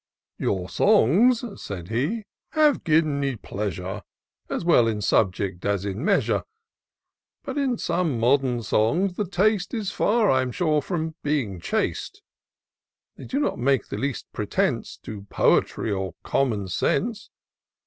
" Your songs," said he, " have given me pleasure ; As well in subject as in measure ; But, in some modern songs, the taste Is far, I'm sure, from being chaste ; IN SEARCH OF THE PICTURESQUE. 121 They do not make the least pretence To poetry or common sense.